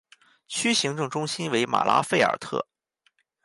区行政中心为马拉费尔特。